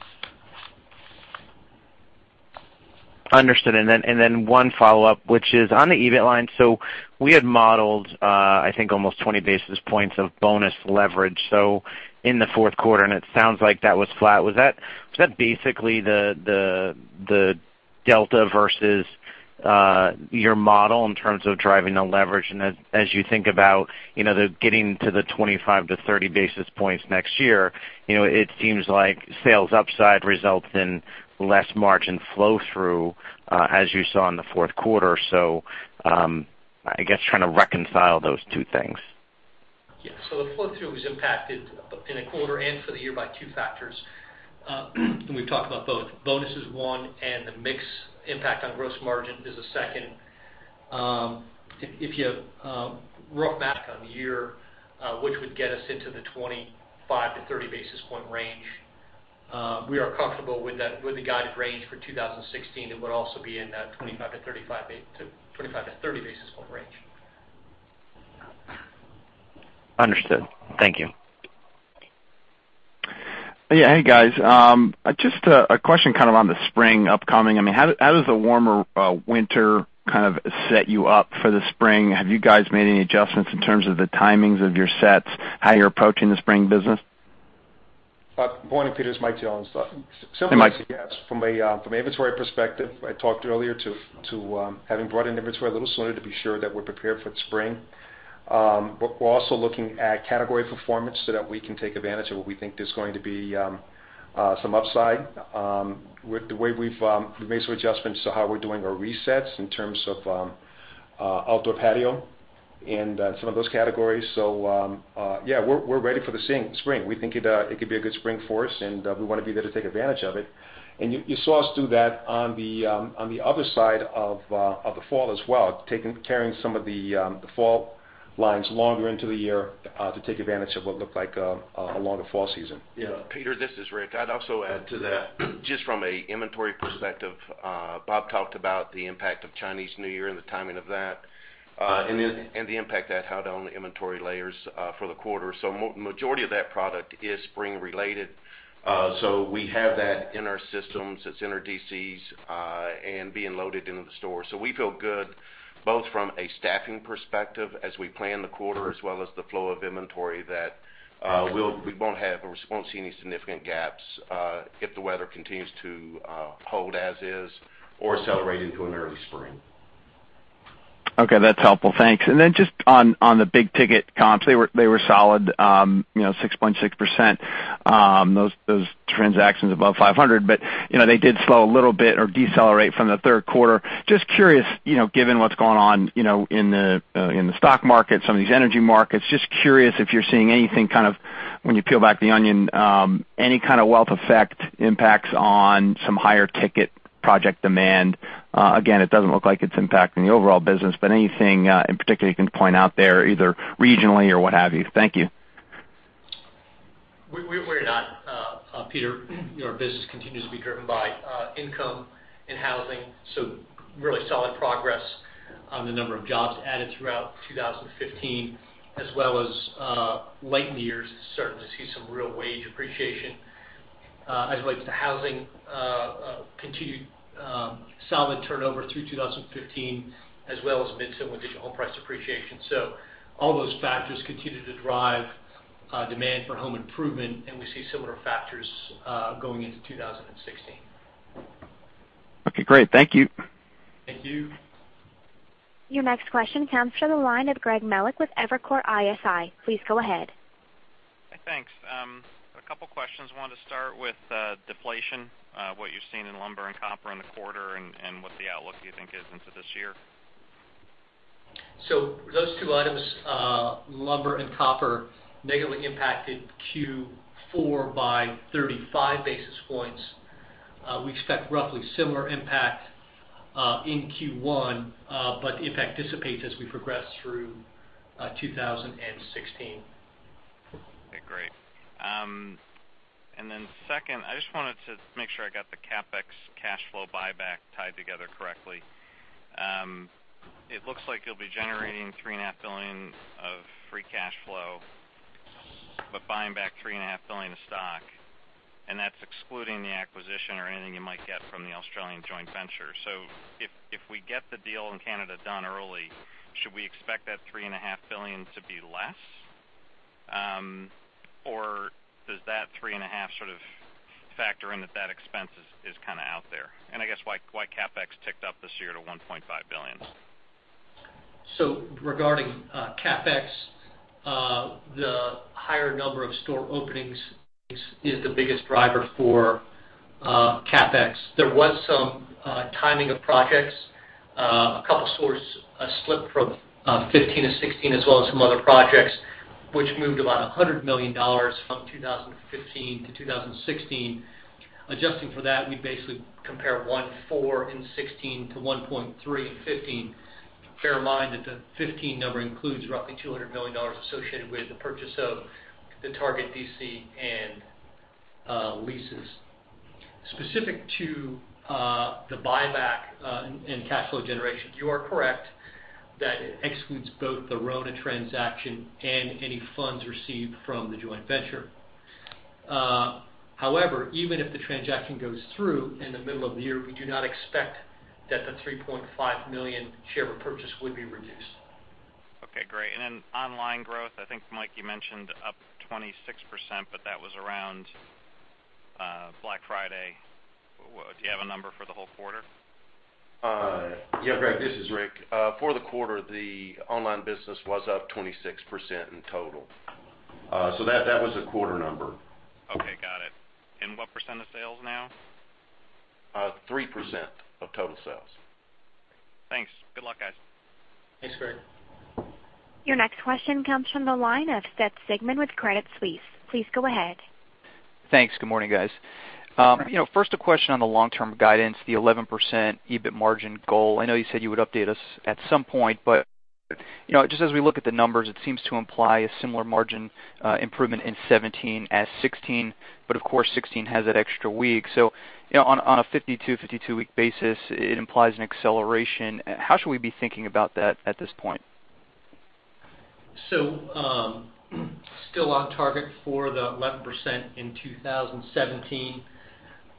Understood. One follow-up, which is on the EBIT line. We had modeled I think almost 20 basis points of bonus leverage. In the fourth quarter, and it sounds like that was flat. Was that basically the delta versus your model in terms of driving the leverage? As you think about getting to the 25 to 30 basis points next year, it seems like sales upside results in less margin flow-through as you saw in the fourth quarter. I guess trying to reconcile those two things. The flow-through was impacted in a quarter and for the year by two factors. We've talked about both. Bonus is one, and the mix impact on gross margin is the second. If you rough math on the year, which would get us into the 25-30 basis point range, we are comfortable with the guided range for 2016 and would also be in that 25-30 basis point range. Understood. Thank you. Hey, guys. Just a question on the spring upcoming. How does the warmer winter set you up for the spring? Have you guys made any adjustments in terms of the timings of your sets, how you're approaching the spring business? Good morning, Peter. It's Mike Jones. Hey, Mike. Simply yes. From an inventory perspective, I talked earlier to having brought in inventory a little sooner to be sure that we're prepared for the spring. We're also looking at category performance so that we can take advantage of what we think is going to be some upside. We've made some adjustments to how we're doing our resets in terms of outdoor patio and some of those categories. Yeah, we're ready for the spring. We think it could be a good spring for us, and we want to be there to take advantage of it. You saw us do that on the other side of the fall as well, carrying some of the fall lines longer into the year to take advantage of what looked like a longer fall season. Yeah. Peter, this is Rick. I'd also add to that, just from an inventory perspective, Bob talked about the impact of Chinese New Year and the timing of that, and the impact that had on the inventory layers for the quarter. Majority of that product is spring related. We have that in our systems, it's in our DCs, and being loaded into the store. We feel good both from a staffing perspective as we plan the quarter, as well as the flow of inventory that we won't see any significant gaps, if the weather continues to hold as is or accelerate into an early spring. Okay, that's helpful. Thanks. On the big ticket comps, they were solid, 6.6%, those transactions above $500, they did slow a little bit or decelerate from the third quarter. Curious, given what's going on in the stock market, some of these energy markets, curious if you're seeing anything, when you peel back the onion, any kind of wealth effect impacts on some higher ticket project demand. Again, it doesn't look like it's impacting the overall business, but anything in particular you can point out there, either regionally or what have you. Thank you. We're not, Peter. Our business continues to be driven by income and housing, really solid progress on the number of jobs added throughout 2015, as well as late in the year, starting to see some real wage appreciation. As relates to housing, continued solid turnover through 2015 as well as mid-single-digit home price appreciation. All those factors continue to drive demand for home improvement, and we see similar factors going into 2016. Okay, great. Thank you. Thank you. Your next question comes from the line of Greg Melich with Evercore ISI. Please go ahead. Thanks. A couple questions. Wanted to start with deflation, what you've seen in lumber and copper in the quarter and what the outlook you think is into this year. Those two items, lumber and copper, negatively impacted Q4 by 35 basis points. We expect roughly similar impact in Q1, the impact dissipates as we progress through 2016. Okay, great. Second, I just wanted to make sure I got the CapEx cash flow buyback tied together correctly. It looks like you'll be generating $3.5 billion of free cash flow, buying back $3.5 billion of stock, and that's excluding the acquisition or anything you might get from the Australian joint venture. If we get the deal in Canada done early, should we expect that $3.5 billion to be less? Does that three and a half sort of factor in that expense is kind of out there? I guess why CapEx ticked up this year to $1.5 billion. Regarding CapEx, the higher number of store openings is the biggest driver for CapEx. There was some timing of projects. A couple stores slipped from 2015 to 2016, as well as some other projects, which moved about $100 million from 2015 to 2016. Adjusting for that, we basically compare $1.4 in 2016 to $1.3 in 2015. Bear in mind that the 2015 number includes roughly $200 million associated with the purchase of the Target DC and leases. Specific to the buyback and cash flow generation, you are correct that it excludes both the RONA transaction and any funds received from the joint venture. However, even if the transaction goes through in the middle of the year, we do not expect that the $3.5 billion share repurchase would be reduced. Okay, great. Online growth, I think, Mike, you mentioned up 26%, but that was around Black Friday. Do you have a number for the whole quarter? Yeah, Greg, this is Rick. For the quarter, the online business was up 26% in total. That was a quarter number. Okay, got it. What % of sales now? 3% of total sales. Thanks. Good luck, guys. Thanks, Greg. Your next question comes from the line of Seth Sigman with Credit Suisse. Please go ahead. Thanks. Good morning, guys. First a question on the long-term guidance, the 11% EBIT margin goal. I know you said you would update us at some point, just as we look at the numbers, it seems to imply a similar margin improvement in 2017 as 2016. Of course 2016 has that extra week. On a 52 week basis, it implies an acceleration. How should we be thinking about that at this point? Still on target for the 11% in 2017.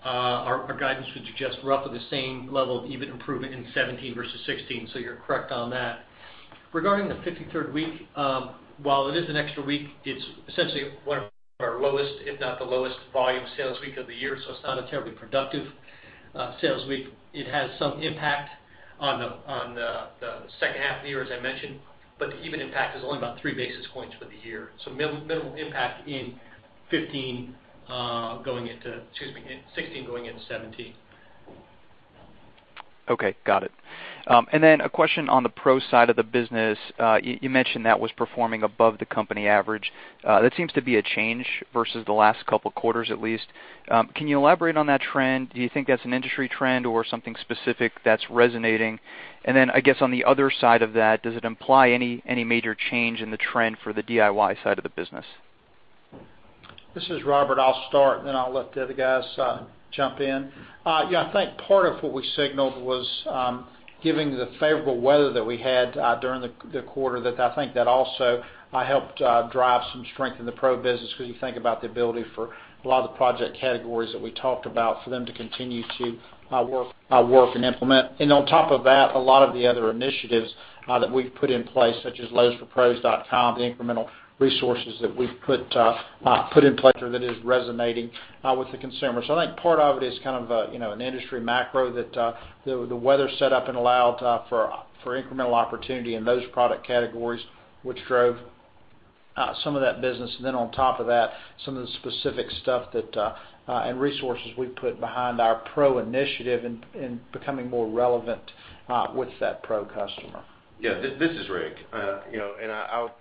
Our guidance would suggest roughly the same level of EBIT improvement in 2017 versus 2016. You're correct on that. Regarding the 53rd week, while it is an extra week, it's essentially one of our lowest, if not the lowest volume sales week of the year. It's not a terribly productive sales week. It has some impact on the second half of the year, as I mentioned, but the EBIT impact is only about three basis points for the year. Minimal impact in, excuse me, 2016 going into 2017. Okay, got it. A question on the pro side of the business. You mentioned that was performing above the company average. That seems to be a change versus the last couple quarters, at least. Can you elaborate on that trend? Do you think that's an industry trend or something specific that's resonating? I guess on the other side of that, does it imply any major change in the trend for the DIY side of the business? This is Robert. I'll start, and then I'll let the other guys jump in. Yeah, I think part of what we signaled was giving the favorable weather that we had during the quarter, that I think that also helped drive some strength in the pro business because you think about the ability for a lot of the project categories that we talked about for them to continue to work and implement. On top of that, a lot of the other initiatives that we've put in place, such as lowesforpros.com, the incremental resources that we've put in place that is resonating with the consumer. I think part of it is kind of an industry macro that the weather set up and allowed for incremental opportunity in those product categories, which drove some of that business. On top of that, some of the specific stuff and resources we put behind our Pro initiative in becoming more relevant with that Pro customer. Yeah, this is Rick. I'll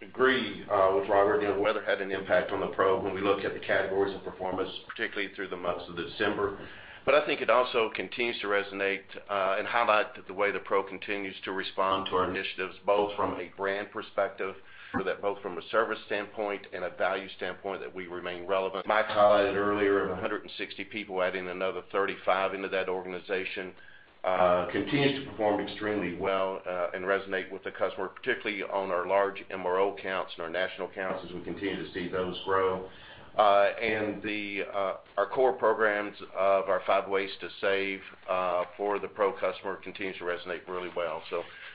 agree with Robert. The weather had an impact on the Pro when we looked at the categories of performance, particularly through the months of December. I think it also continues to resonate and highlight the way the Pro continues to respond to our initiatives, both from a brand perspective, both from a service standpoint and a value standpoint that we remain relevant. Mike highlighted earlier 160 people, adding another 35 into that organization continues to perform extremely well and resonate with the customer, particularly on our large MRO accounts and our national accounts as we continue to see those grow. Our core programs of our five ways to save for the Pro customer continues to resonate really well.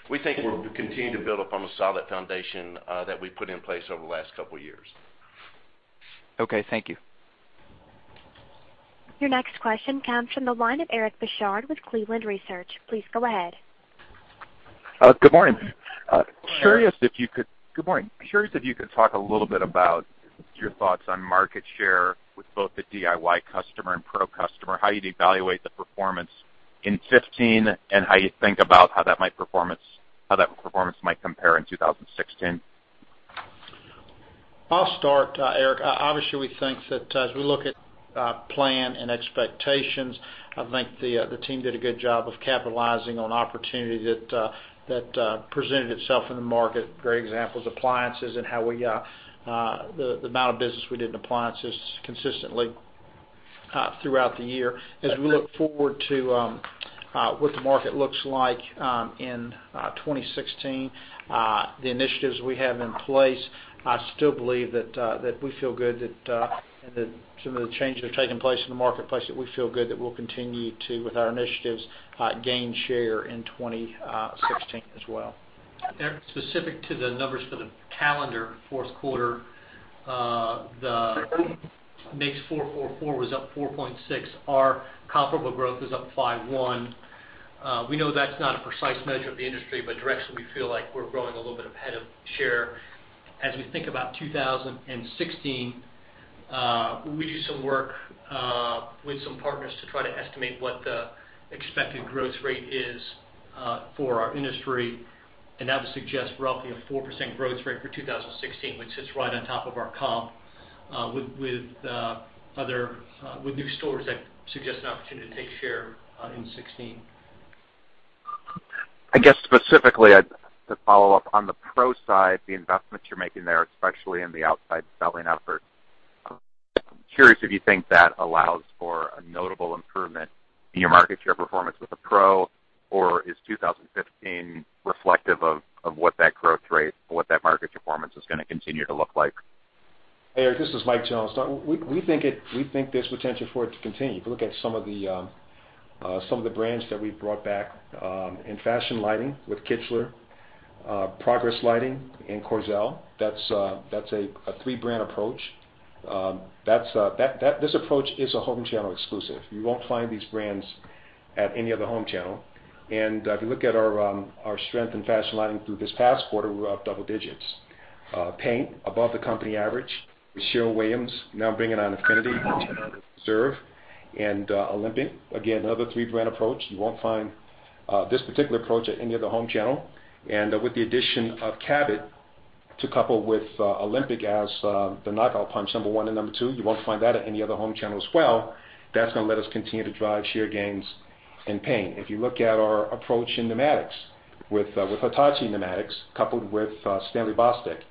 We think we'll continue to build upon a solid foundation that we've put in place over the last couple of years. Okay. Thank you. Your next question comes from the line of Eric Bosshard with Cleveland Research. Please go ahead. Good morning. Curious if you could talk a little bit about your thoughts on market share with both the DIY customer and pro customer, how you'd evaluate the performance in 2015, and how you think about how that performance might compare in 2016. I'll start, Eric. Obviously, we think that as we look at plan and expectations, I think the team did a good job of capitalizing on opportunity that presented itself in the market. Great example is appliances and the amount of business we did in appliances consistently throughout the year. As we look forward to what the market looks like in 2016, the initiatives we have in place, I still believe that we feel good that some of the changes are taking place in the marketplace, that we feel good that we'll continue to, with our initiatives, gain share in 2016 as well. Eric, specific to the numbers for the calendar fourth quarter, the NAICS 444 was up 4.6. Our comparable growth is up 51. We know that's not a precise measure of the industry, but directionally, we feel like we're growing a little bit ahead of share. That would suggest roughly a 4% growth rate for 2016, which sits right on top of our comp with new stores that suggest an opportunity to take share in 2016. I guess specifically, to follow up on the pro side, the investments you're making there, especially in the outside selling effort. I'm curious if you think that allows for a notable improvement in your market share performance with a pro, or is 2015 reflective of what that growth rate or what that market performance is going to continue to look like. Hey, Eric, this is Mike Jones. We think there's potential for it to continue. If you look at some of the brands that we've brought back in fashion lighting with Kichler, Progress Lighting, and Quoizel, that's a three-brand approach. This approach is a home channel exclusive. You won't find these brands at any other home channel. If you look at our strength in fashion lighting through this past quarter, we're up double digits. Paint, above the company average with Sherwin-Williams now bringing on Infinity, Valspar Reserve, and Olympic. Again, another three-brand approach. You won't find this particular approach at any other home channel. With the addition of Cabot to couple with Olympic as the knockout punch number one and number two, you won't find that at any other home channel as well. That's going to let us continue to drive share gains in paint. If you look at our approach in pneumatics with Hitachi Pneumatics coupled with Stanley Bostitch,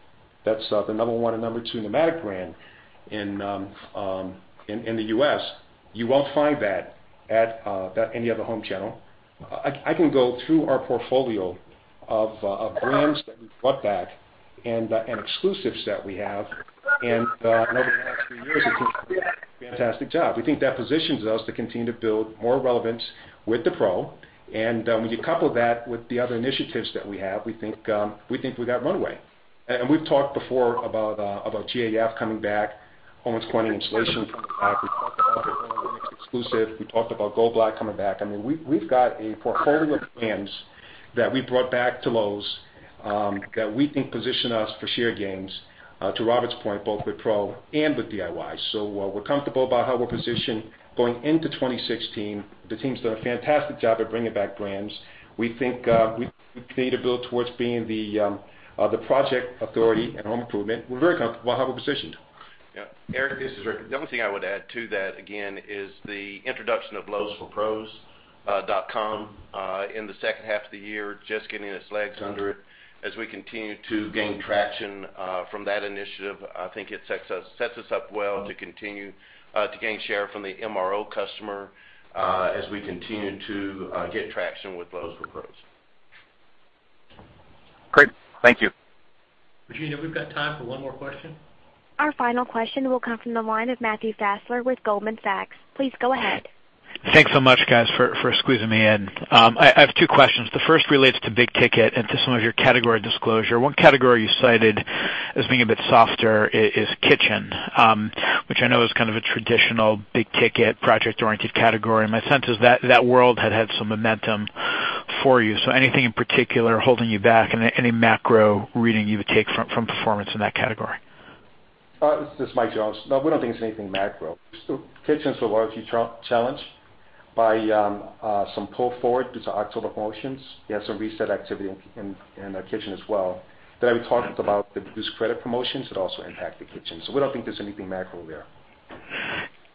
that's the number one and number two pneumatic brand in the U.S. You won't find that at any other home channel. I can go through our portfolio of brands that we brought back and exclusives that we have, and over the last few years, we've done a fantastic job. We think that positions us to continue to build more relevance with the pro. When you couple that with the other initiatives that we have, we think we got runway. We've talked before about GAF coming back, Owens Corning Insulation coming back. We talked about going exclusive. We talked about Goldblatt coming back. We've got a portfolio of brands that we brought back to Lowe's that we think position us for share gains, to Robert's point, both with pro and with DIY. We're comfortable about how we're positioned going into 2016. The team's done a fantastic job at bringing back brands. We think we continue to build towards being the project authority in home improvement. We're very comfortable with how we're positioned. Eric, this is Rick. The only thing I would add to that again is the introduction of lowesforpros.com in the second half of the year, just getting its legs under it. As we continue to gain traction from that initiative, I think it sets us up well to continue to gain share from the MRO customer as we continue to get traction with Lowe's Pros. Great. Thank you. Regina, we've got time for one more question. Our final question will come from the line of Matthew Fassler with Goldman Sachs. Please go ahead. Thanks so much, guys, for squeezing me in. I have two questions. The first relates to big ticket and to some of your category disclosure. One category you cited as being a bit softer is kitchen, which I know is kind of a traditional big ticket project-oriented category. My sense is that that world had had some momentum for you. Anything in particular holding you back? Any macro reading you would take from performance in that category? This is Mike Jones. No, we don't think it's anything macro. Kitchen's a large challenge by some pull forward due to October promotions. We had some reset activity in the kitchen as well that I was talking about, the reduced credit promotions that also impact the kitchen. We don't think there's anything macro there.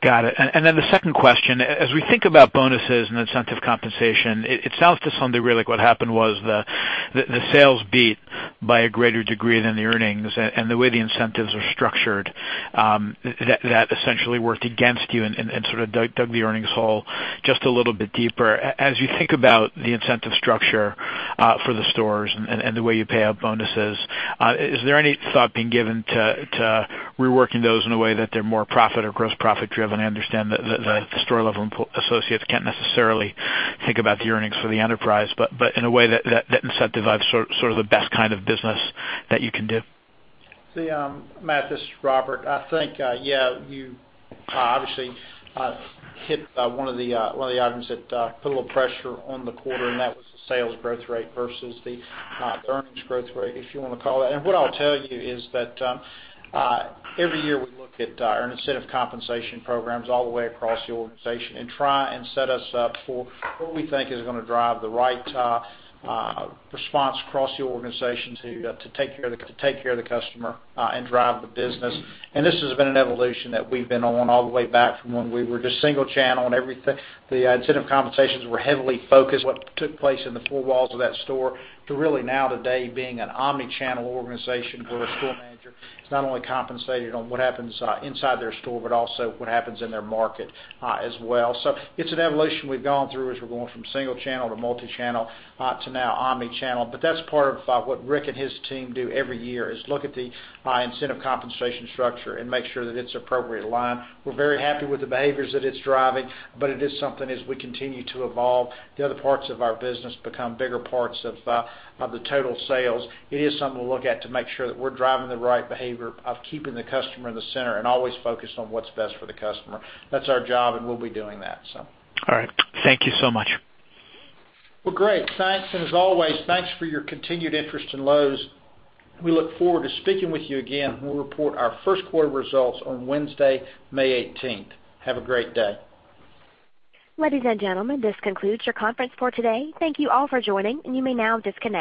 Got it. The second question, as we think about bonuses and incentive compensation, it sounds to some degree like what happened was the sales beat by a greater degree than the earnings and the way the incentives are structured, that essentially worked against you and sort of dug the earnings hole just a little bit deeper. As you think about the incentive structure for the stores and the way you pay out bonuses, is there any thought being given to reworking those in a way that they're more profit or gross profit driven? I understand that the store level associates can't necessarily think about the earnings for the enterprise, but in a way that incentivizes sort of the best kind of business that you can do. Matt, this is Robert. I think, you obviously hit one of the items that put a little pressure on the quarter, that was the sales growth rate versus the earnings growth rate, if you want to call it that. What I'll tell you is that every year we look at our incentive compensation programs all the way across the organization and try and set us up for what we think is going to drive the right response across the organization to take care of the customer and drive the business. This has been an evolution that we've been on all the way back from when we were just single channel and everything. The incentive compensations were heavily focused what took place in the four walls of that store to really now today being an omni-channel organization where a store manager is not only compensated on what happens inside their store, but also what happens in their market as well. It's an evolution we've gone through as we're going from single channel to multi-channel to now omni-channel. That's part of what Rick and his team do every year is look at the incentive compensation structure and make sure that it's appropriately aligned. We're very happy with the behaviors that it's driving, it is something as we continue to evolve, the other parts of our business become bigger parts of the total sales. It is something we'll look at to make sure that we're driving the right behavior of keeping the customer in the center and always focused on what's best for the customer. That's our job, we'll be doing that. All right. Thank you so much. Well, great. Thanks. As always, thanks for your continued interest in Lowe's. We look forward to speaking with you again when we report our first quarter results on Wednesday, May 18th. Have a great day. Ladies and gentlemen, this concludes your conference for today. Thank you all for joining, and you may now disconnect.